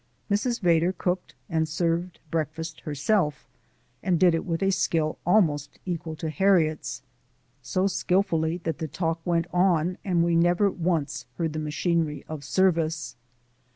Mrs. Vedder cooked and served breakfast herself, and did it with a skill almost equal to Harriet's so skillfully that the talk went on and we never once heard the machinery of service.